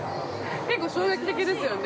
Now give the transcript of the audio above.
結構衝撃的ですよね。